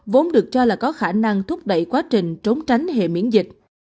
vốn được cho là có khả năng thúc đẩy quá trình trốn tránh hệ miễn dịch